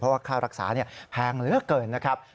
เพราะว่าค่ารักษาแพงเหลือเกินนะครับ